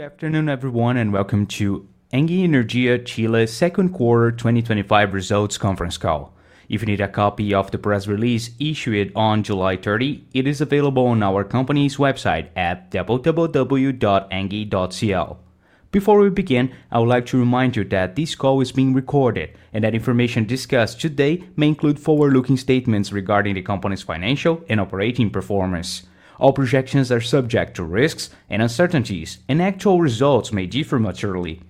Good afternoon everyone, and welcome to Engie Energia Chile's second quarter 2025 results conference call. If you need a copy of the press release issued on July 30, it is available on our company's website at www.engie.cl. Before we begin, I would like to remind you that this call is being recorded and that information discussed today may include forward-looking statements regarding the company's financial and operating performance. All projections are subject to risks and uncertainties, and actual results may differ materially.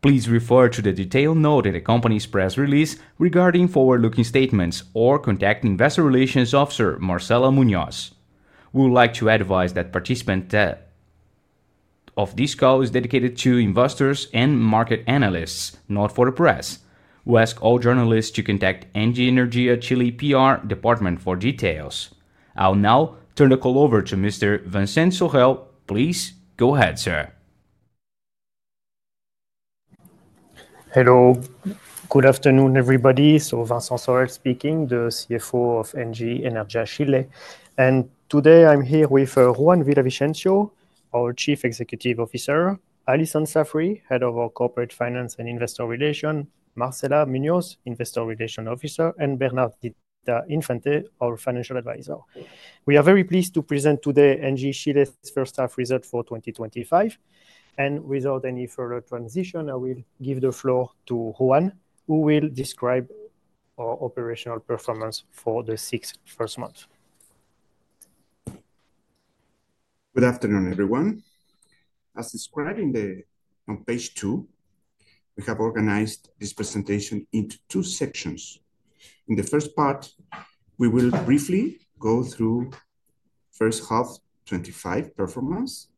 Please refer to the detailed note in the company's press release regarding forward looking statements or contact Investor Relations Officer Marcela Muñoz. We would like to advise that participation of this call is dedicated to investors and market analysts, not for the press. We ask all journalists to contact Engie Energia Chile PR Department for details. I will now turn the call over to Mr. Vincent Sorel. Please go ahead, sir. Hello. Good afternoon everybody. Vincent Sorel speaking, the CFO of Engie Energia Chile. Today I'm here with Juan Villavicencio, our Chief Executive Officer, Alison Saffery, Head of our Corporate Finance and Investor Relations, Marcela Muñoz, Investor Relations Officer, and Bernardita Infante, our Financial Advisor. We are very pleased to present today Engie Energia Chile's first half results for 2025. Without any further transition, I will give the floor to Juan, who will describe our operational performance for the six first months. Good afternoon, everyone. As described on page 2, we have organized this presentation into two sections. In the first part, we will briefly go through the first half's 2025 performance.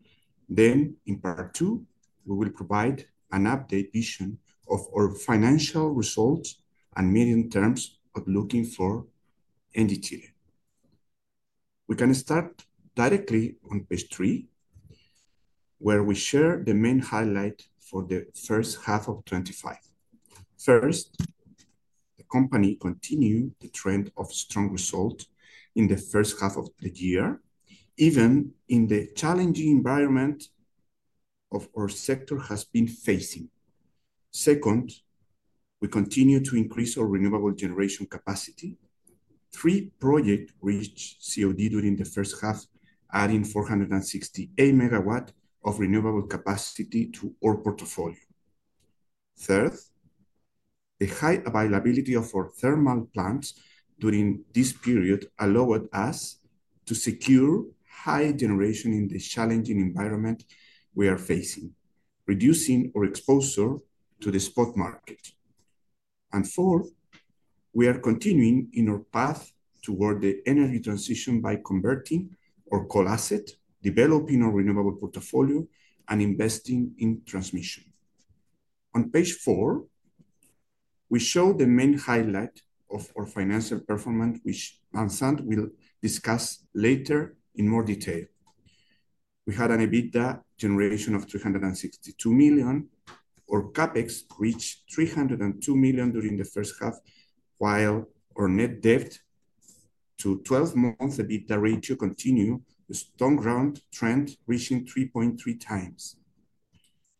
Then, in part 2, we will provide an updated vision of our financial results and medium terms of looking forward to Engie Energia Chile. We can start directly on page 3, where we share the main highlights for the first half of 2025. First, the company continues the trend of strong results in the first half of the year, even in the challenging environment our sector has been facing. Second, we continue to increase our renewable generation capacity. Three projects reached COD during the first half, adding 468 megawatts of renewable capacity to our portfolio. Third, the high availability of our thermal plants during this period allowed us to secure high generation in the challenging environment we are facing, reducing our exposure to the spot market. Fourth, we are continuing in our path toward the energy transition by converting our coal assets, developing our renewable portfolio, and investing in transmission. On page 4, we show the main highlights of our financial performance, which Vincent will discuss later in more detail. We had an EBITDA generation of $362 million. Our CapEx reached $302 million during the first half, while our net debt to 12 months EBITDA ratio continued the strong ground trend, reaching 3.3x.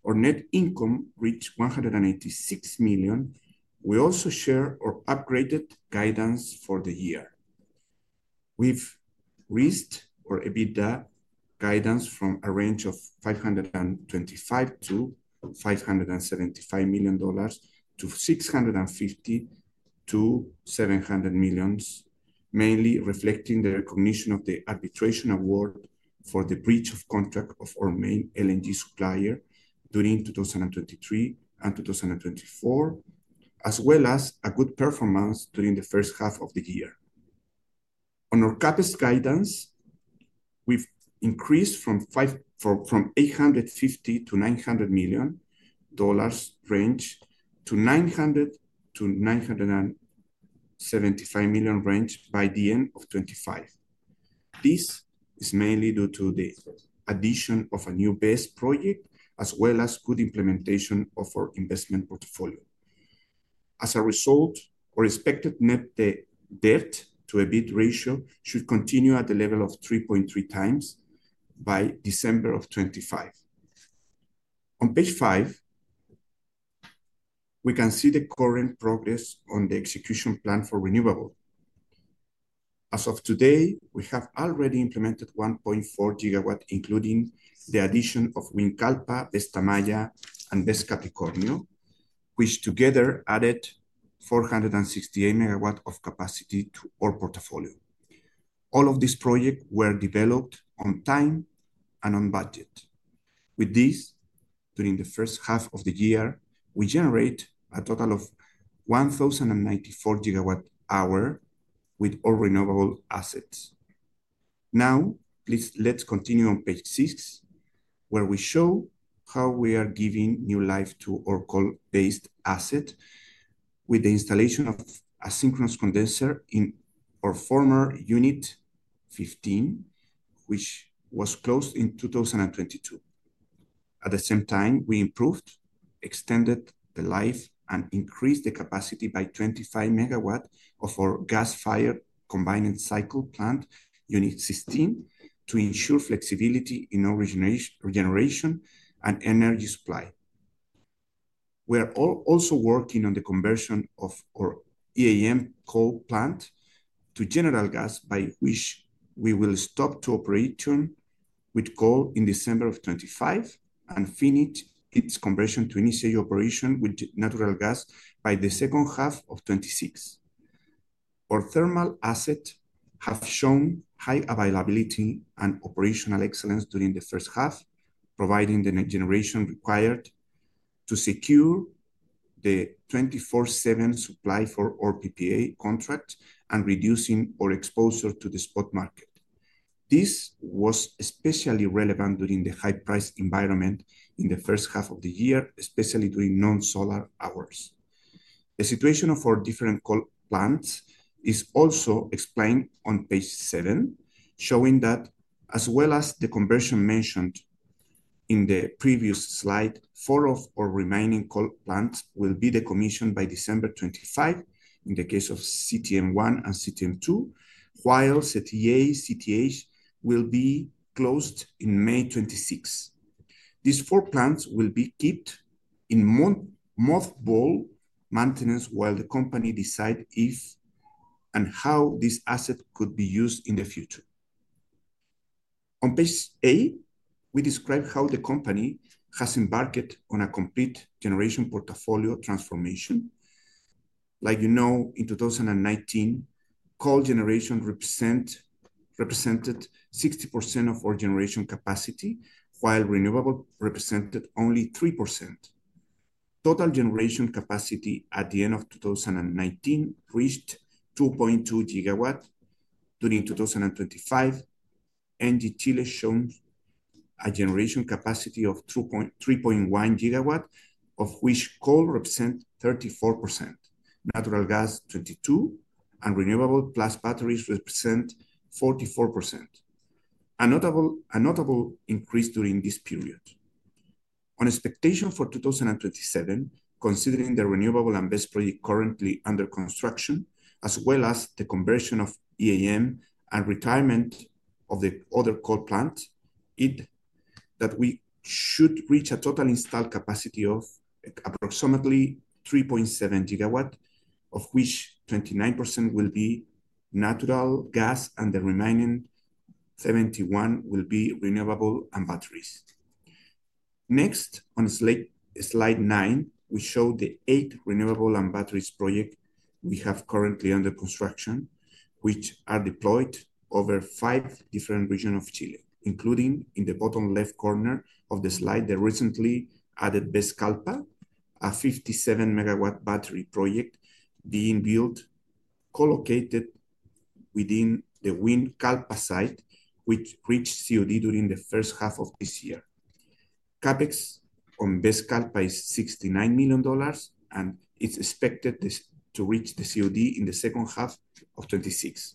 Our net Income reached $186 million. We also share our upgraded guidance for the year. We've raised our EBITDA guidance from a range of $525-$575 million to $650-$700 million, mainly reflecting the recognition of the arbitration award for the breach of contract of our main LNG supplier during 2023 and 2024, as well as a good performance during the first half of the year. On our CapEx guidance, we've increased from $850 to $900 million range to $900 to $975 million range by the end of 2025. This is mainly due to the addition of a new BESS project, as well as good implementation of our investment portfolio. As a result, our expected Net Debt to EBITDA ratio should continue at the level of 3.3 times by December of 2025. On page 5, we can see the current progress on the execution plan for renewables. As of today, we have already implemented 1.4 gigawatts, including the addition of Wincalpa, BESS Tamaya, and BESS Capricornio, which together added 468 MW of capacity to our portfolio. All of these projects were developed on time and on budget. With this, during the first half of the year, we generated a total of 1,094 GW hours with all renewable assets. Now, please let's continue on page 6, where we show how we are giving new life to our coal-based assets with the installation of a synchronous condenser in our former unit 15, which was closed in 2022. At the same time, we improved, extended the life, and increased the capacity by 25 MW of our gas-fired combined cycle plant unit 16 to ensure flexibility in our regeneration and energy supply. We are also working on the conversion of our EAM coal plant to general gas, by which we will stop cooperation with coal in December 2025 and finish its conversion to initial cooperation with natural gas by the second half of 2026. Our thermal assets have shown high availability and operational excellence during the first half, providing the generation required to secure the 24/7 supply for our PPA contract and reducing our exposure to the spot market. This was especially relevant during the high-priced environment in the first half of the year, especially during non-solar hours. The situation of our different coal plants is also explained on page 7, showing that, as well as the conversion mentioned in the previous slide, four of our remaining coal plants will be decommissioned by December 2025 in the case of CTM1 and CTM2, while CTA/CTH will be closed in May 2026. These four plants will be kept in movable maintenance while the company decides if and how these assets could be used in the future. On page 8, we describe how the company has embarked on a complete generation portfolio transformation. Like you know, in 2019, coal generation represented 60% of our generation capacity, while renewable represented only 3%. Total generation capacity at the end of 2019 reached 2.2 GW. During 2025, Engie Energia Chile shows a generation capacity of 3.1 GW, of which coal represents 34%, natural gas 22%, and renewable plus batteries represent 44%. A notable increase during this period. On expectation for 2027, considering the renewable and BESS projects currently under construction, as well as the conversion of EAM and retirement of the other coal plants, that we should reach a total installed capacity of approximately 3.7 GW, of which 29% will be natural gas and the remaining 71% will be renewable and batteries. Next, on slide nine, we show the eight renewable and battery projects we have currently under construction, which are deployed over five different regions of Chile, including, in the bottom left corner of the slide, the recently added BESS Capricornio, a 57 MW battery project being built, co-located within the Wincalpa site, which reached COD during the first half of this year. CapEx on BESS Capricornio is $69 million, and it's expected to reach COD in the second half of 2026.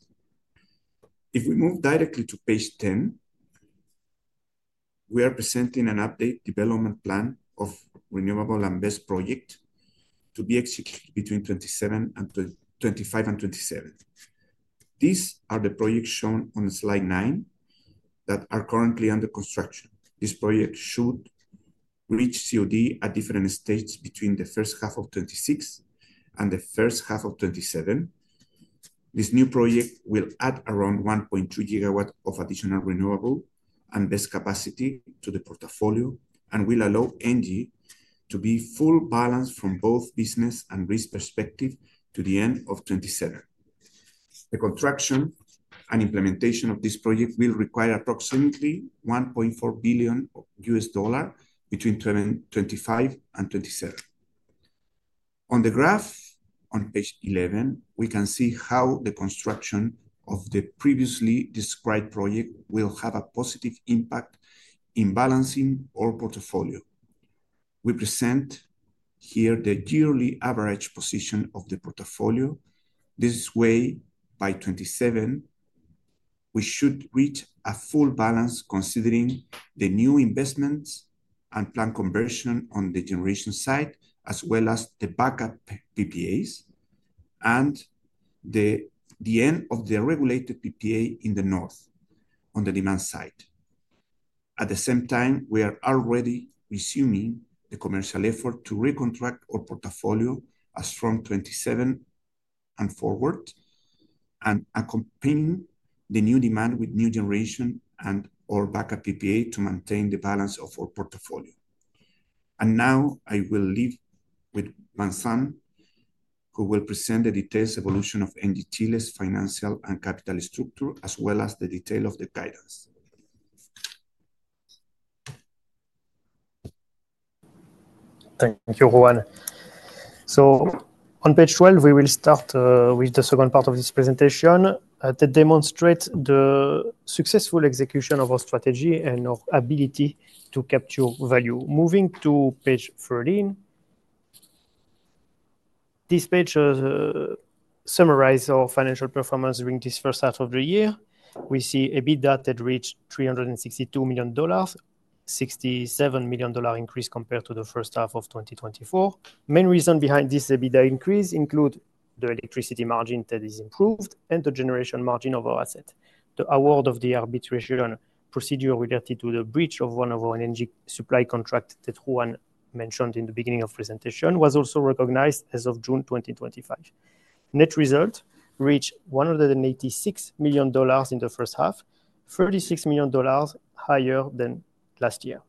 If we move directly to page 10, we are presenting an updated development plan of renewable and BESS projects to be executed between 2025 and 2027. These are the projects shown on slide nine that are currently under construction. These projects should reach COD at different stages between the first half of 2026 and the first half of 2027. This new project will add around 1.2 GW of additional renewable and BESS capacity to the portfolio and will allow Engie Energia Chile to be fully balanced from both business and risk perspective to the end of 2027. The construction and implementation of this project will require approximately $1.4 billion US dollars between 2025 and 2027. On the graph on page 11, we can see how the construction of the previously described projects will have a positive impact in balancing our portfolio. We present here the yearly average position of the portfolio. This way, by 2027, we should reach a full balance considering the new investments and planned conversion on the generation side, as well as the backup PPAs and the end of the regulated PPA in the north on the demand side. At the same time, we are already resuming the commercial effort to recontract our portfolio as from 2027 and forward, and accompanying the new demand with new generation and/or backup PPA to maintain the balance of our portfolio. I will now leave with Vincent, who will present the detailed evolution of Engie Energia Chile's financial and capital structure, as well as the detail of the guidance. Thank you, Juan. On page 12, we will start with the second part of this presentation to demonstrate the successful execution of our strategy and our ability to capture value. Moving to page 13, this page summarizes our financial performance during this first half of the year. We see EBITDA that reached $362 million, a $67 million increase compared to the first half of 2024. The main reasons behind this EBITDA increase include the electricity margin that is improved and the generation margin of our assets. The award of the arbitration procedure related to the breach of one of our energy supply contracts that Juan mentioned in the beginning of the presentation was also recognized as of June 2025. Net result reached $186 million in the first half, $36 million higher than last year.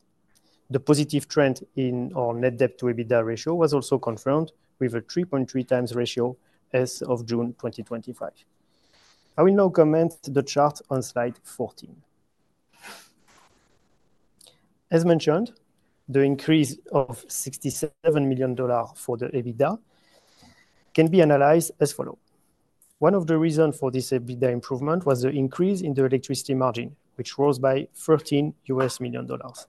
The positive trend in our Net Debt to EBITDA ratio was also confirmed with a 3.3 times ratio as of June 2025. I will now comment the chart on slide 14. As mentioned, the increase of $67 million for the EBITDA can be analyzed as follows. One of the reasons for this EBITDA improvement was the increase in the electricity margin, which rose by $13 million US dollars.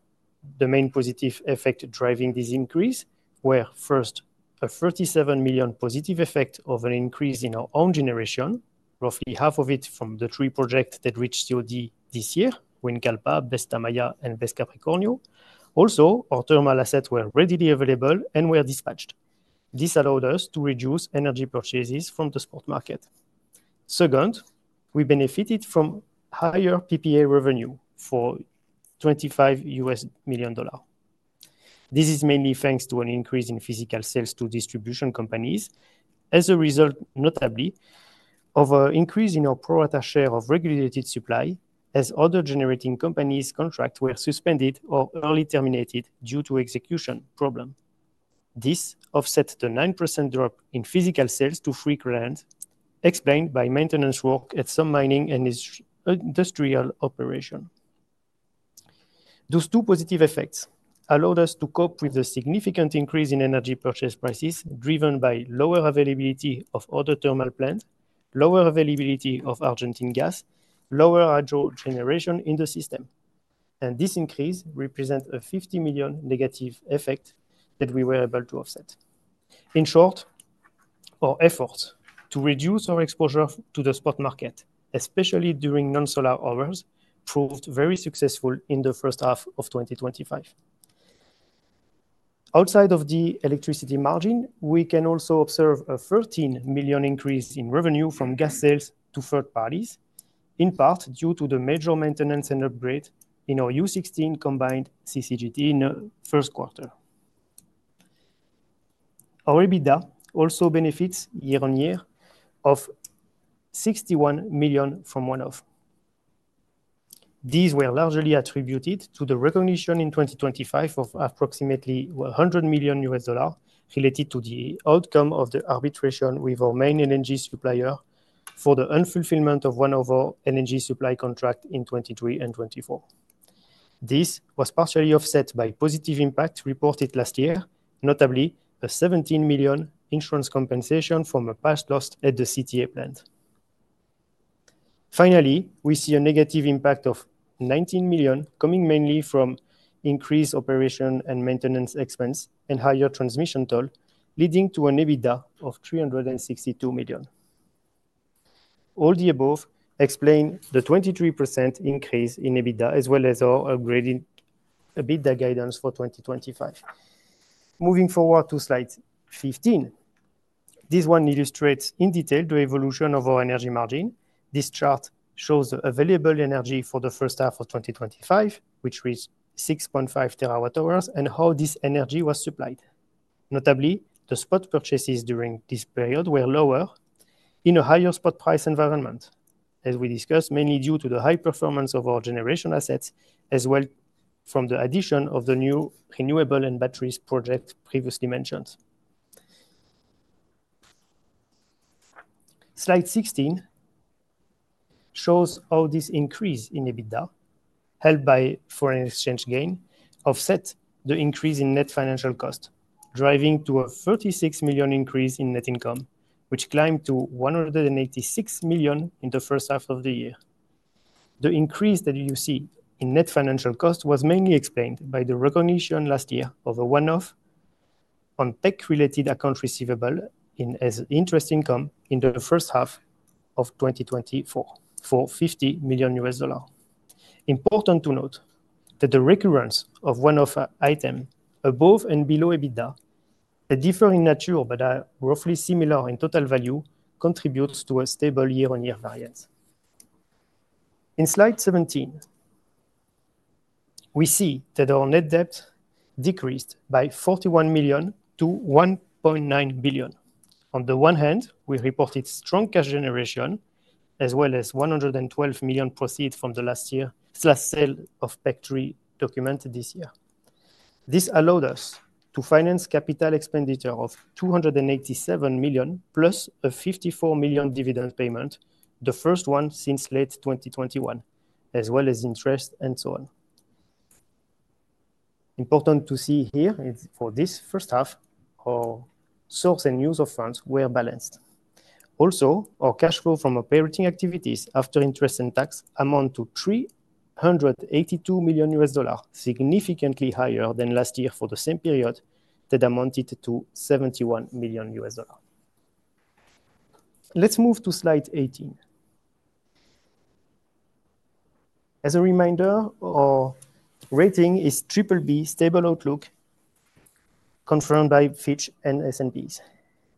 The main positive effect driving this increase was, first, a $37 million positive effect of an increase in our own generation, roughly half of it from the three projects that reached COD this year: Wincalpa, BESS Tamaya, and BESS Capricornio. Also, our thermal assets were readily available and were dispatched. This allowed us to reduce energy purchases from the spot market. Second, we benefited from higher PPA revenue for $25 million US dollars. This is mainly thanks to an increase in physical sales to distribution companies. As a result, notably, of an increase in our pro-rata share of regulated supply, as other generating companies' contracts were suspended or early terminated due to execution problems. This offset the 9% drop in physical sales to 3 grand, explained by maintenance work at some mining and industrial operations. Those two positive effects allowed us to cope with the significant increase in energy purchase prices driven by lower availability of other thermal plants, lower availability of Argentine gas, and lower hydrogeneration in the system. This increase represents a $50 million negative effect that we were able to offset. In short, our efforts to reduce our exposure to the spot market, especially during non-solar hours, proved very successful in the first half of 2025. Outside of the electricity margin, we can also observe a $13 million increase in revenue from gas sales to third parties, in part due to the major maintenance and upgrades in our U16 combined CCGT in the first quarter. Our EBITDA also benefits year on year of $61 million from one-off. These were largely attributed to the recognition in 2025 of approximately $100 million US dollars related to the outcome of the arbitration with our main LNG supplier for the unfulfillment of one of our LNG supply contracts in 2023 and 2024. This was partially offset by positive impacts reported last year, notably a $17 million insurance compensation from a past loss at the CTA plant. Finally, we see a negative impact of $19 million coming mainly from increased operation and maintenance expenses and higher transmission tolls, leading to an EBITDA of $362 million. All the above explain the 23% increase in EBITDA, as well as our upgraded EBITDA guidance for 2025. Moving forward to slide 15, this one illustrates in detail the evolution of our energy margin. This chart shows the available energy for the first half of 2025, which reached 6.5 TW-hours, and how this energy was supplied. Notably, the spot purchases during this period were lower in a higher spot price environment, as we discussed, mainly due to the high performance of our generation assets, as well as from the addition of the new renewable and batteries project previously mentioned. Slide 16 shows how this increase in EBITDA, held by foreign exchange gain, offset the increase in net financial costs, driving to a $36 million increase in net income, which climbed to $186 million in the first half of the year. The increase that you see in net financial costs was mainly explained by the recognition last year of a one-off on tech-related accounts receivable as interest income in the first half of 2024 for $50 million US dollars. Important to note that the recurrence of one-off items above and below EBITDA, that differ in nature but are roughly similar in total value, contributes to a stable year-on-year variance. In slide 17, we see that our net debt decreased by $41 million to $1.9 billion. On the one hand, we reported strong cash generation, as well as $112 million proceeds from the last year's last sale of PAC 3 documented this year. This allowed us to finance a capital expenditure of $287 million, plus a $54 million dividend payment, the first one since late 2021, as well as interest and so on. Important to see here is for this first half, our source and use of funds were balanced. Also, our cash flow from operating activities after interest and tax amounted to $382 million, significantly higher than last year for the same period that amounted to $71 million. Let's move to slide 18. As a reminder, our rating is BBB stable outlook confirmed by Fitch and S&P's.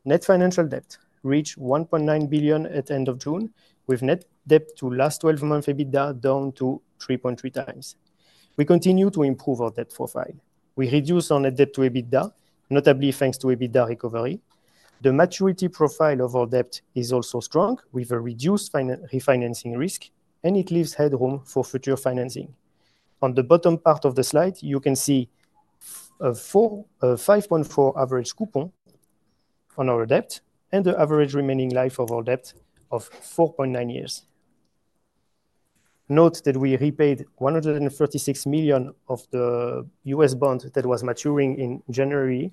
Net financial debt reached $1.9 billion at the end of June, with net debt to last 12-month EBITDA down to 3.3 times. We continue to improve our debt profile. We reduced our net debt to EBITDA, notably thanks to EBITDA recovery. The maturity profile of our debt is also strong, with a reduced refinancing risk, and it leaves headroom for future financing. On the bottom part of the slide, you can see a 5.4% average coupon on our debt and the average remaining life of our debt of 4.9 years. Note that we repaid $136 million of the U.S. bond that was maturing in January,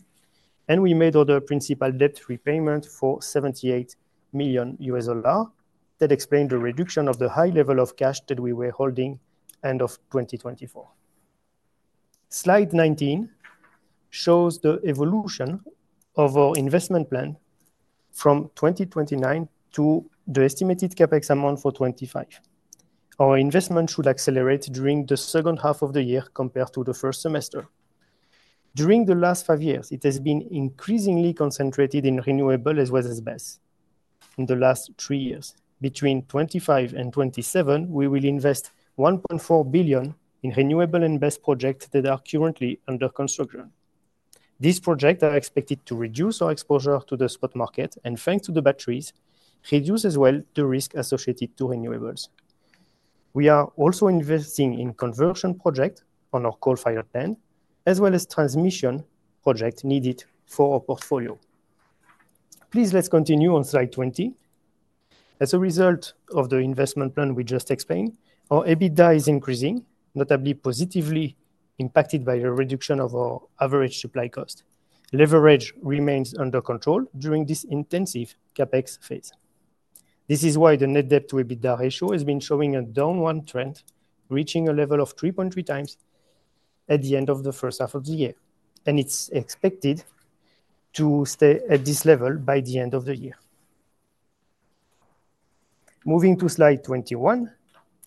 and we made other principal debt repayments for $78 million. That explains the reduction of the high level of cash that we were holding end of 2024. Slide 19 shows the evolution of our investment plan from 2029 to the estimated CapEx amount for 2025. Our investment should accelerate during the second half of the year compared to the first semester. During the last five years, it has been increasingly concentrated in renewables as well as BESS in the last three years. Between 2025 and 2027, we will invest $1.4 billion in renewables and BESS projects that are currently under construction. These projects are expected to reduce our exposure to the spot market and, thanks to the batteries, reduce as well the risk associated to renewables. We are also investing in conversion projects on our coal-fired plants, as well as transmission projects needed for our portfolio. Please, let's continue on slide 20. As a result of the investment plan we just explained, our EBITDA is increasing, notably positively impacted by a reduction of our average supply cost. Leverage remains under control during this intensive CapEx phase. This is why the net debt to EBITDA ratio has been showing a downward trend, reaching a level of 3.3 times at the end of the first half of the year, and it's expected to stay at this level by the end of the year. Moving to slide 21,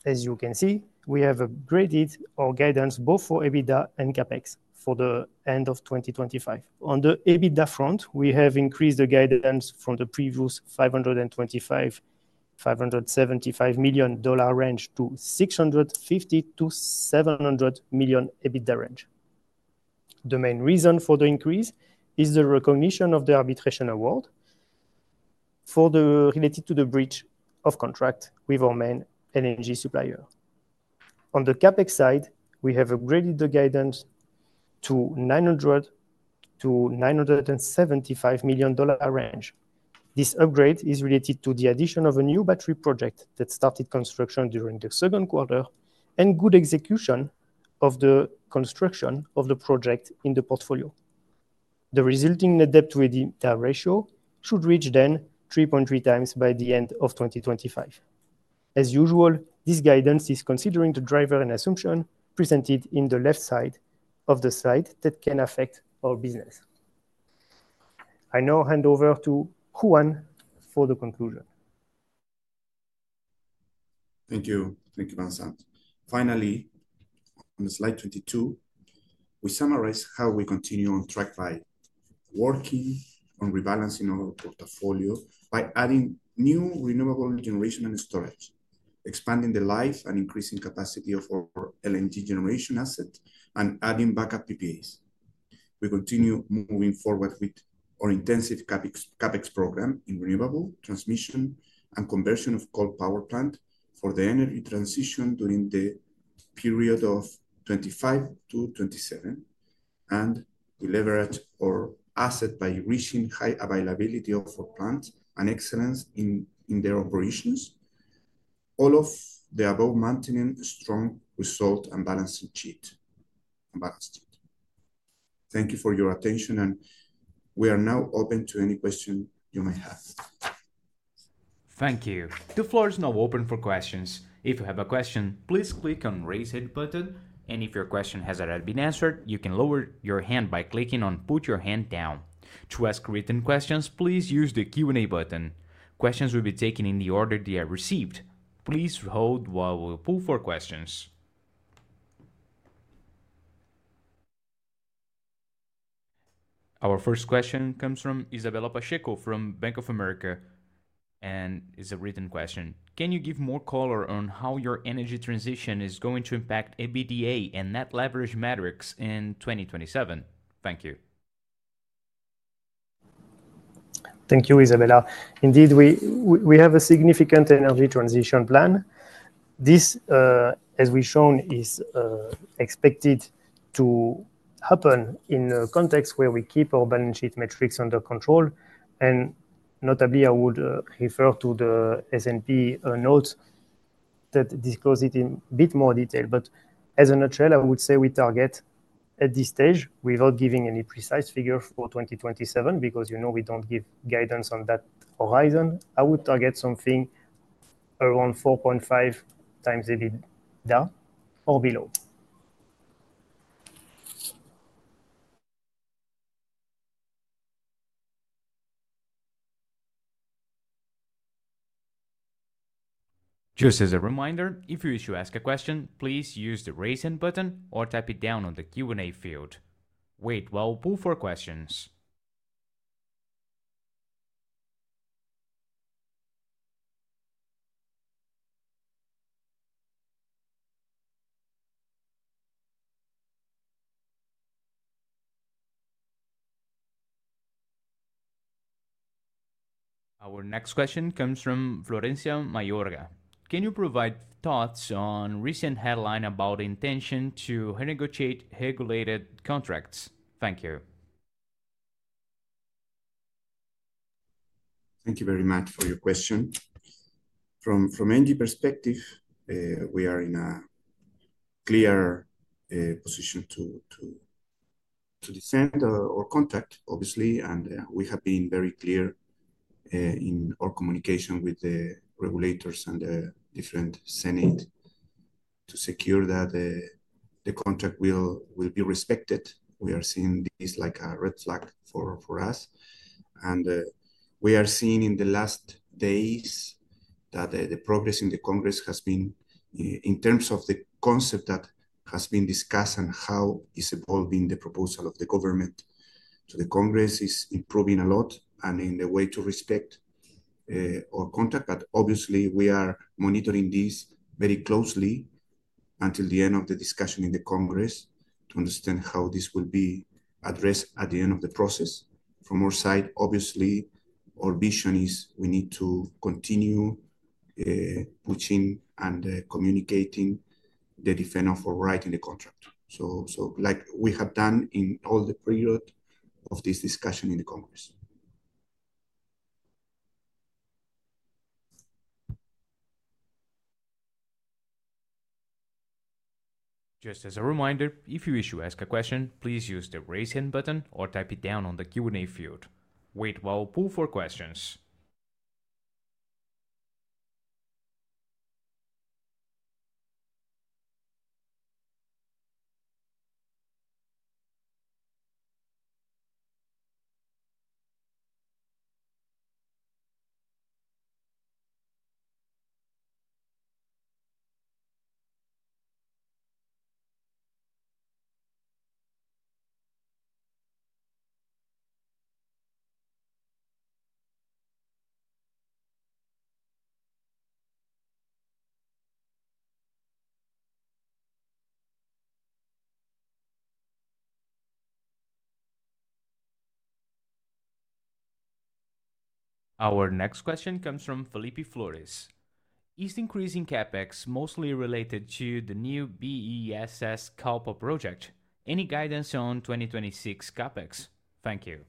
as you can see, we have upgraded our guidance both for EBITDA and CapEx for the end of 2025. On the EBITDA front, we have increased the guidance from the previous $525-$575 million range to $650 to $700 million EBITDA range. The main reason for the increase is the recognition of the arbitration award related to the breach of contract with our main LNG supplier. On the CapEx side, we have upgraded the guidance to $900 to $975 million range. This upgradfe is related to the addition of a new battery project that started construction during the second quarter and good execution of the construction of the project in the portfolio. The resulting net debt to EBITDA ratio should reach then 3.3 times by the end of 2025. As usual, this guidance is considering the driver and assumption presented in the left side of the slide that can affect our business. I now hand over to Juan for the conclusion. Thank you. Thank you Vincent. Finally, on slide 22, we summarize how we continue on track by working on rebalancing our portfolio by adding new renewable generation and storage, expanding the life and increasing capacity of our LNG generation assets, and adding backup PPAs. We continue moving forward with our intensive CapEx program in renewable, transmission, and conversion of coal power plants for the energy transition during the period of 2025 to 2027, and we leverage our assets by reaching high availability of coal plants and excellence in their operations. All of the above maintain a strong result and balanced sheet. Thank you for your attention, and we are now open to any questions you may have. Thank you. The floor is now open for questions. If you have a question, please click on the Raise Hand button, and if your question has already been answered, you can lower your hand by clicking on Put Your Hand Down. To ask written questions, please use the Q&A button. Questions will be taken in the order they are received. Please hold while we pull for questions. Our first question comes from Isabella Pacheco from Bank of America, and it's a written question. Can you give more color on how your energy transition is going to impact EBITDA and net leverage metrics in 2027? Thank you. Thank you, Isabella. Indeed, we have a significant energy transition plan. This, as we've shown, is expected to happen in a context where we keep our balance sheet metrics under control. Notably, I would refer to the S&P notes that disclose it in a bit more detail. In a nutshell, I would say we target, at this stage, without giving any precise figures for 2027, because you know we don't give guidance on that horizon, I would target something around 4.5 times EBITDA or below. Just as a reminder, if you wish to ask a question, please use the Raise Hand button or tap it down on the Q&A field. Wait while we pull for questions. Our next question comes from Florencia Mayorga. Can you provide thoughts on a recent headline about the intention to renegotiate regulated contracts? Thank you. Thank you very much for your question. From Engie Energia Chile's perspective, we are in a clear position to dissent or contact, obviously, and we have been very clear in our communication with the regulators and the different Senate to secure that the contract will be respected. We are seeing this like a red flag for us. We are seeing in the last days that the progress in the Congress has been in terms of the concept that has been discussed and how it's evolving, the proposal of the government to the Congress is improving a lot in the way to respect our contract. Obviously, we are monitoring this very closely until the end of the discussion in the Congress to understand how this will be addressed at the end of the process. From our side, obviously, our vision is we need to continue pushing and communicating the defense of our right in the contract, like we have done in all the period of this discussion in the Congress. Just as a reminder, if you wish to ask a question, please use the Raise Hand button or type it down on the Q&A field. Wait while we pull for questions. Our next question comes from Felipe Flores. Is increasing CapEx mostly related to the new BESS Capricornio project? Any guidance on 2026 CapEx? Thank you.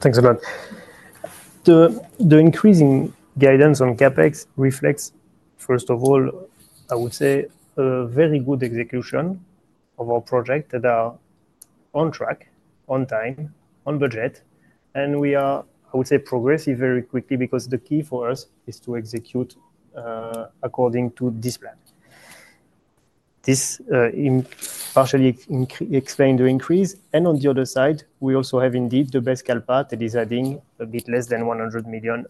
Thanks Juan. The increasing guidance on CapEx reflects, first of all, I would say, a very good execution of our projects that are on track, on time, on budget, and we are, I would say, progressing very quickly because the key for us is to execute according to this plan. This partially explains the increase, and on the other side, we also have indeed the BESS Capricornio that is adding a bit less than $100 million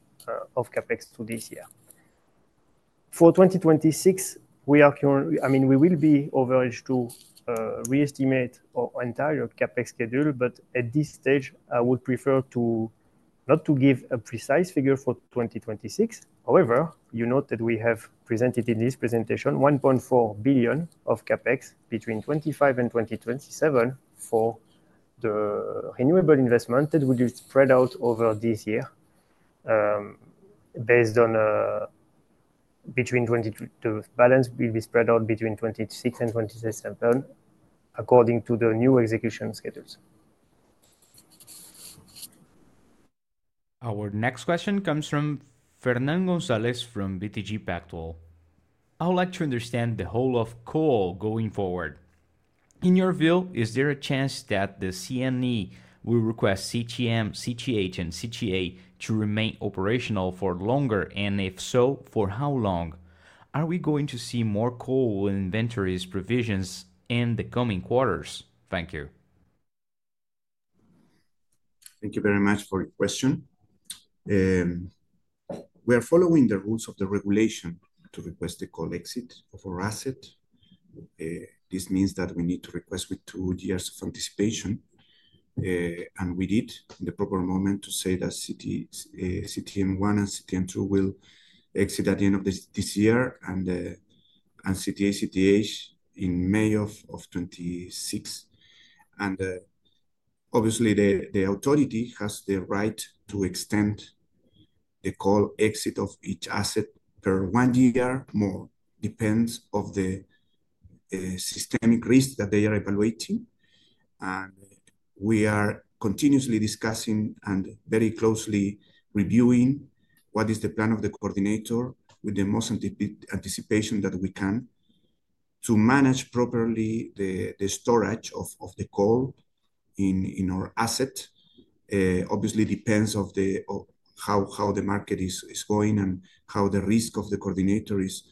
of CapEx to this year. For 2026, we are currently, I mean, we will be able to reestimate our entire CapEx schedule, but at this stage, I would prefer not to give a precise figure for 2026. However, you know that we have presented in this presentation $1.4 billion of CapEx between 2025 and 2027 for the renewable investment that will be spread out over this year based on the balance, will be spread out between 2026 and 2027, according to the new execution schedules. Our next question comes from Fernan Gonzalez from BTG Pactual. I would like to understand the role of coal going forward. In your view, is there a chance that the CNE will request CTM, CTH, and CTA to remain operational for longer, and if so, for how long? Are we going to see more coal inventories revisions in the coming quarters? Thank you. Thank you very much for your question. We are following the rules of the regulation to request the coal exit of our asset. This means that we need to request with two years of anticipation, and we did in the proper moment to say that CTM1 and CTM2 will exit at the end of this year and CTA/CTH in May of 2026. The authority has the right to extend the coal exit of each asset for one year more, depending on the systemic risk that they are evaluating. We are continuously discussing and very closely reviewing what is the plan of the coordinator with the most anticipation that we can to manage properly the storage of the coal in our asset. Obviously, it depends on how the market is going and how the risk of the coordinator is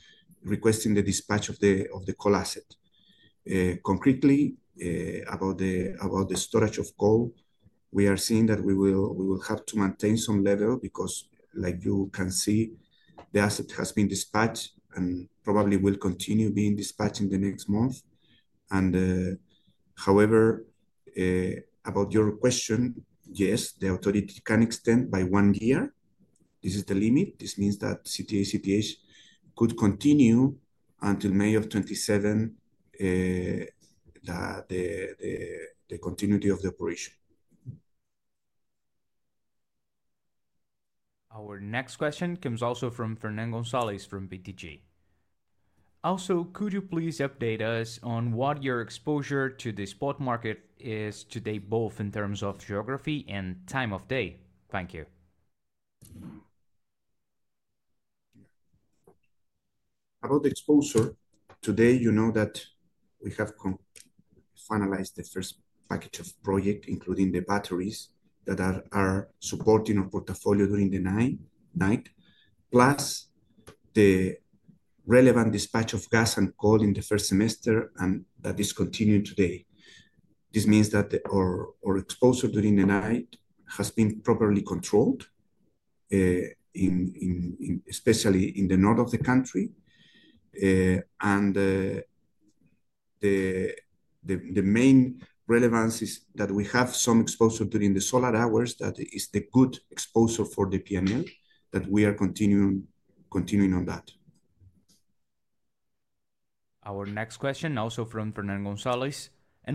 requesting the dispatch of the coal asset. Concretely, about the storage of coal, we are seeing that we will have to maintain some level because, like you can see, the asset has been dispatched and probably will continue being dispatched in the next month. However, about your question, yes, the authority can extend by one year. This is the limit. This means that CTA/CTH could continue until May of 2027, the continuity of the operation. Our next question comes also from Fernan Gonzalez from BTG. Also, could you please update us on what your exposure to the spot market is today, both in terms of geography and time of day? Thank you. About the exposure, today, you know that we have finalized the first package of projects, including the batteries that are supporting our portfolio during the night, plus the relevant dispatch of gas and coal in the first semester, and that is continuing today. This means that our exposure during the night has been properly controlled, especially in the north of the country. The main relevance is that we have some exposure during the solar hours, that is the good exposure for the P&L, that we are continuing on that. Our next question, also from Fernan Gonzalez.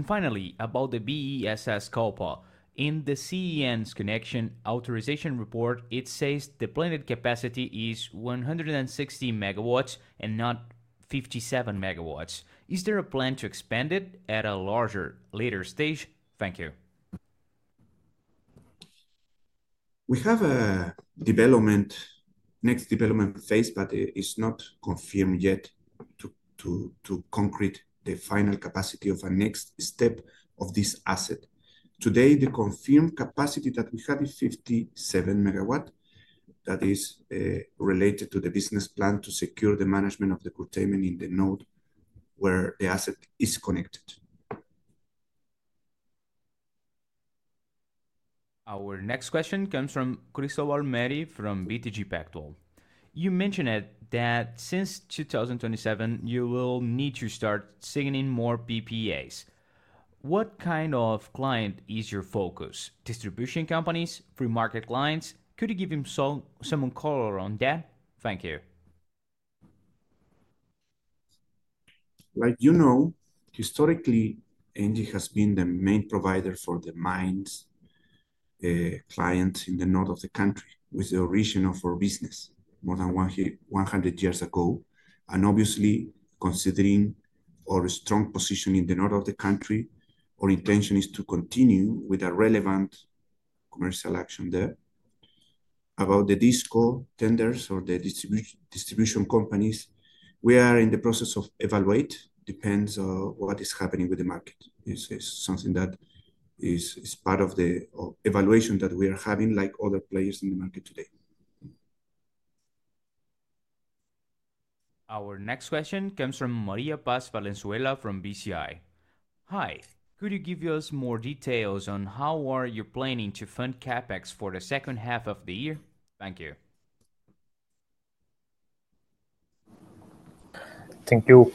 Finally, about the BESS Calpa, in the CEN's Connection Authorization Report, it says the planned capacity is 160 MW and not 57 MW. Is there a plan to expand it at a larger later stage? Thank you. We have a development next development phase, but it's not confirmed yet to concrete the final capacity of our next step of this asset. Today, the confirmed capacity that we have is 57 MW. That is related to the business plan to secure the management of the containment in the node where the asset is connected. Our next question comes from Cristóbal Mary from BTG Pactual. You mentioned that since 2027, you will need to start sending more PPAs. What kind of client is your focus? Distribution companies, free market clients? Could you give him some color on that? Thank you. Like you know, historically, Engie Energia Chile has been the main provider for the mines clients in the north of the country, with the origin of our business more than 100 years ago. Obviously, considering our strong position in the north of the country, our intention is to continue with a relevant commercial action there. About the disco tenders or the distribution companies, we are in the process of evaluating. It depends on what is happening with the market. It's something that is part of the evaluation that we are having, like other players in the market today. Our next question comes from Maria Paz Valenzuela from BCI. Hi. Could you give us more details on how you're planning to fund CapEx for the second half of the year? Thank you. Thank you.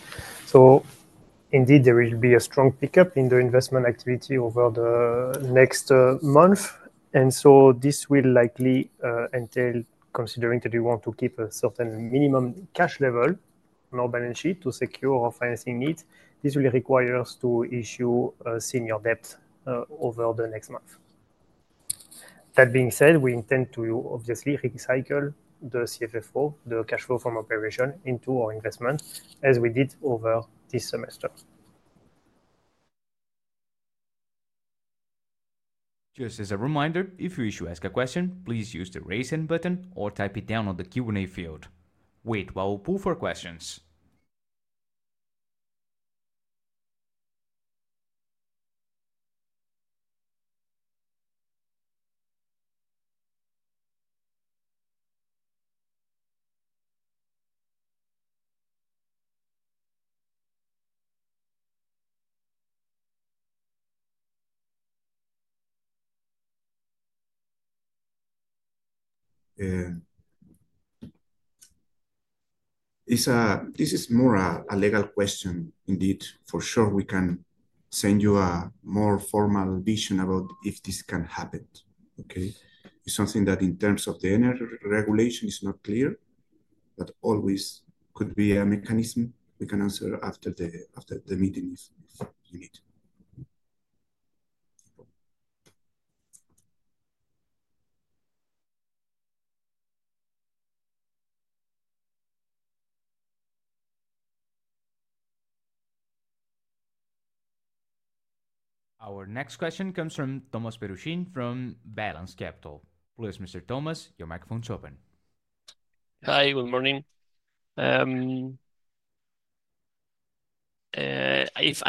Indeed, there will be a strong pickup in the investment activity over the next month. This will likely entail, considering that we want to keep a certain minimum cash level on our balance sheet to secure our financing needs, that we will be required to issue a senior debt over the next month. That being said, we intend to obviously recycle the CFFO, the cash flow from operation, into our investment, as we did over this semester. Just as a reminder, if you wish to ask a question, please use the Raise Hand button or type it down in the Q&A field. Wait while we pull for questions. This is more a legal question, indeed. For sure, we can send you a more formal vision about if this can happen. It's something that, in terms of the energy regulation, is not clear, but always could be a mechanism we can answer after the meeting is finished. Our next question comes from Tomas Peruchin from Balanz Capital. Please, Mr. Tomas, your microphone is open. Hi. Good morning. If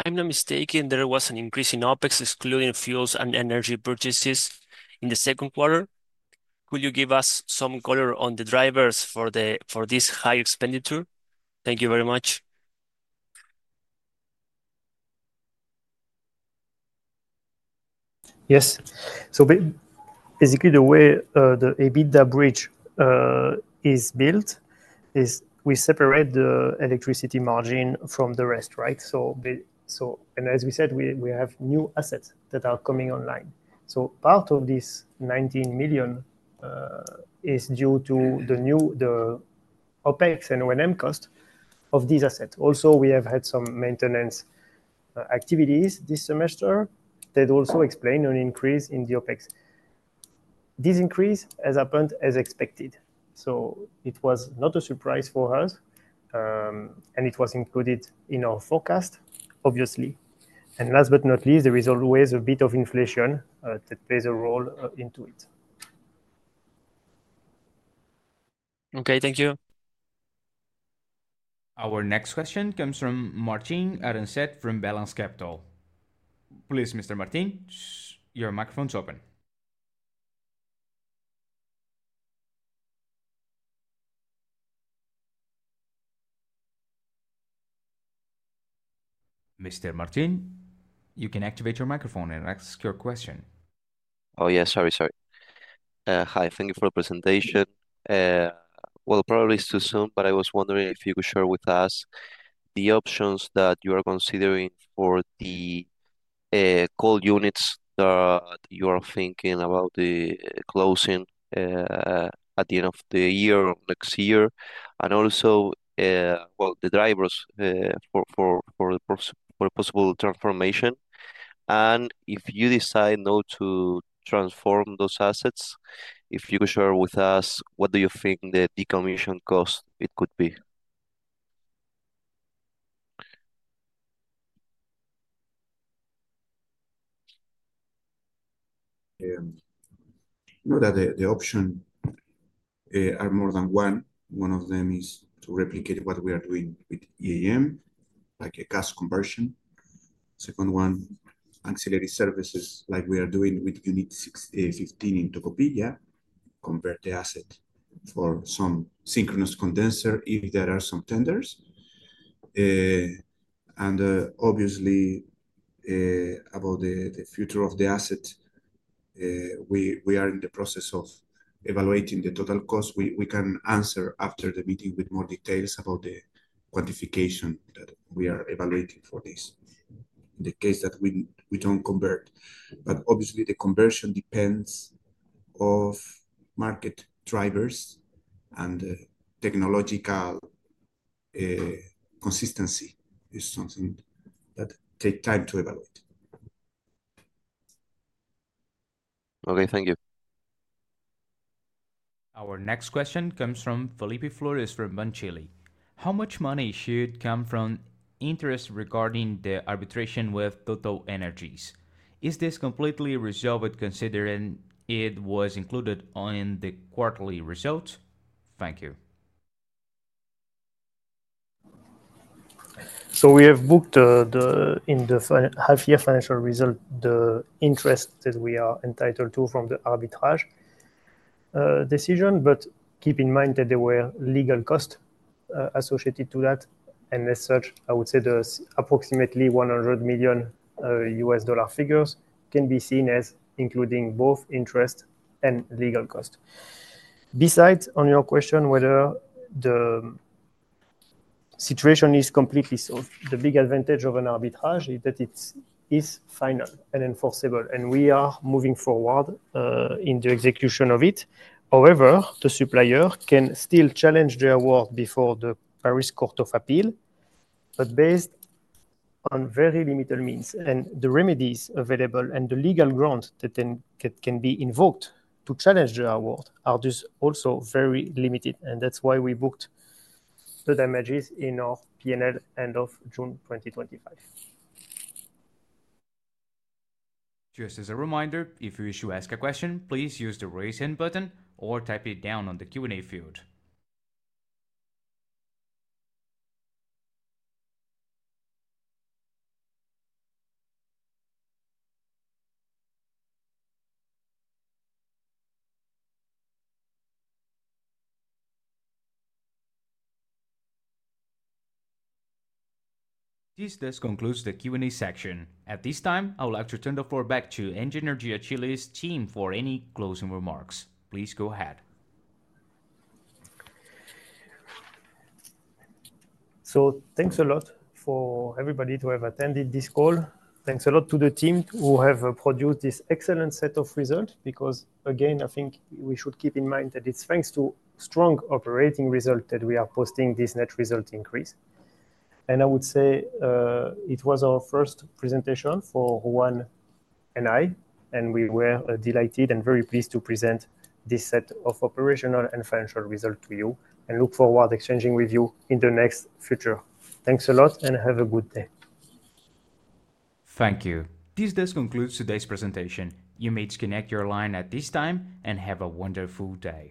I'm not mistaken, there was an increase in OpEx, excluding fuels and energy purchases in the second quarter. Could you give us some color on the drivers for this high expenditure? Thank you very much. Yes. Basically, the way the EBITDA bridge is built is we separate the electricity margin from the rest, right? As we said, we have new assets that are coming online. Part of this $19 million is due to the new OpEx and O&M cost of these assets. Also, we have had some maintenance activities this semester that also explain an increase in the OpEx. This increase has happened as expected. It was not a surprise for us, and it was included in our forecast, obviously. Last but not least, there is always a bit of inflation that plays a role into it. Okay. Thank you. Our next question comes from Martin Arancet from Balanz Capital. Please, Mr. Martin, your microphone is open. Mr. Martin, you can activate your microphone and ask your question. Hi. Thank you for the presentation. Probably it's too soon, but I was wondering if you could share with us the options that you are considering for the coal units that you are thinking about closing at the end of the year or next year, and also the drivers for a possible transformation. If you decide not to transform those assets, if you could share with us what you think the decommission cost could be. What are the options? There is more than one. One of them is to replicate what we are doing with EAM, like a gas conversion. The second one is ancillary services, like we are doing with unit 16 in Tokopedia, convert the asset for some synchronous condenser if there are some tenders. Obviously, about the future of the asset, we are in the process of evaluating the total cost. We can answer after the meeting with more details about the quantification we are evaluating for this, in the case that we don't convert. Obviously, the conversion depends on market drivers and technological consistency. It's something that takes time to evaluate. Okay. Thank you. Our next question comes from Felipe Flores from Manchile. How much money should come from interest regarding the arbitration with TotalEnergies? Is this completely resolved considering it was included in the quarterly results? Thank you. We have booked in the half-year financial result the interest that we are entitled to from the arbitration decision, but keep in mind that there were legal costs associated to that. As such, I would say the approximately $100 million figures can be seen as including both interest and legal costs. Besides, on your question, whether the situation is completely solved, the big advantage of an arbitration is that it is final and enforceable, and we are moving forward in the execution of it. However, the supplier can still challenge the award before the Paris Court of Appeal, but based on very limited means. The remedies available and the legal grounds that can be invoked to challenge the award are also very limited. That's why we booked the damages in our P&L end of June 2025. Just as a reminder, if you wish to ask a question, please use the Raise Hand button or type it down on the Q&A field. This does conclude the Q&A section. At this time, I would like to turn the floor back to Engie Energia Chile's team for any closing remarks. Please go ahead. Thanks a lot for everybody who has attended this call. Thanks a lot to the team who have produced this excellent set of results because, again, I think we should keep in mind that it's thanks to strong operating results that we are posting this net result increase. I would say it was our first presentation for Juan and I, and we were delighted and very pleased to present this set of operational and financial results to you and look forward to exchanging with you in the next future. Thanks a lot and have a good day. Thank you. This does conclude today's presentation. You may disconnect your line at this time and have a wonderful day.